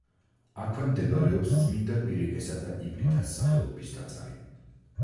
აქვე მდებარეობს წმინდა კვირიკესა და ივლიტას სახელობის ტაძარი.